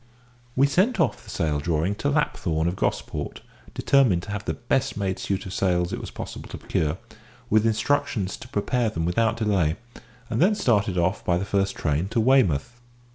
We sent off the sail drawing to Lapthorn of Gosport (determined to have the best made suit of sails it was possible to procure), with instructions to prepare them without delay, and then started off, by the first train, to Weymouth.